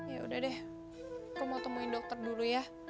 ya udah deh aku mau temuin dokter dulu ya